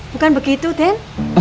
bukan begitu din